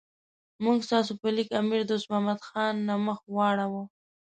موږ ستاسو په لیک امیر دوست محمد خان نه مخ واړاو.